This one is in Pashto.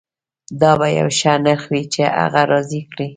دا به یو ښه نرخ وي چې هغه راضي کړي